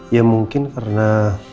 ya mungkin karena